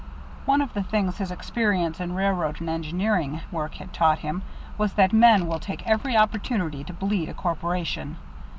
One of the things his experience in railroad and engineering work had taught him was that men will take every opportunity to bleed a corporation.